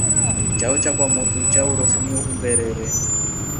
Chao cha kwamotu cha uruuso ni umberere.